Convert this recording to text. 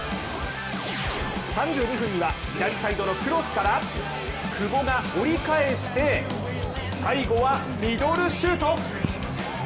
３２分には左サイドのクロスから久保が折り返して最後はミドルシュート。